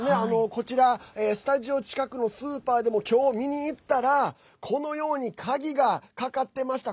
こちら、スタジオ近くのスーパーでも今日、見に行ったらこのように鍵がかかってました。